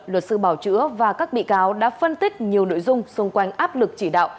luật sư bảo chữa và các bị cáo đã phân tích nhiều nội dung xung quanh áp lực chỉ đạo